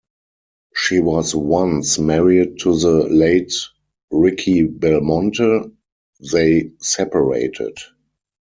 She was once married to the late Ricky Belmonte, they separated.